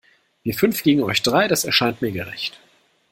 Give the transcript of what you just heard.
Wir fünf gegen euch drei, das erscheint mir gerecht.